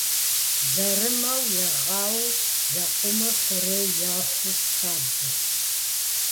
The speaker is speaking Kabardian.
Жьэрымэу ягъэу лэкъумыр хъурейуэ яху хабзэщ.